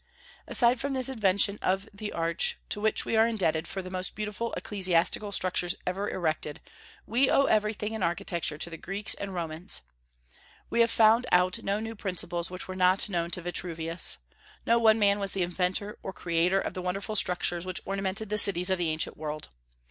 Aside from this invention of the arch, to which we are indebted for the most beautiful ecclesiastical structures ever erected, we owe everything in architecture to the Greeks and Romans. We have found out no new principles which were not known to Vitruvius. No one man was the inventor or creator of the wonderful structures which ornamented the cities of the ancient world.